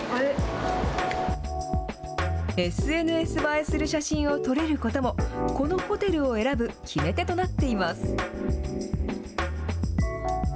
ＳＮＳ映えする写真を撮れることも、このホテルを選ぶ決め手となっています。